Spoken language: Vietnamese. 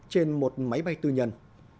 trên một máy bay tư nhân